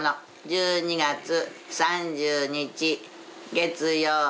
１２月３０日月曜日。